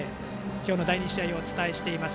今日の第２試合をお伝えしています。